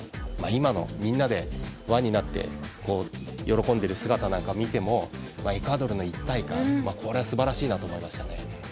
今のみんなで輪になって喜んでる姿を見てもエクアドルの一体感はすばらしいなと思いましたね。